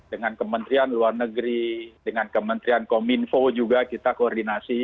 dengan kementerian luar negeri dengan kementerian kominfo juga kita koordinasi